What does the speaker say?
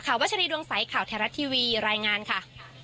วัชรีดวงใสข่าวไทยรัฐทีวีรายงานค่ะ